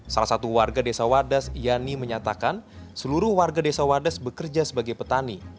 salah satu warga desa wadas yani menyatakan seluruh warga desa wadas bekerja sebagai petani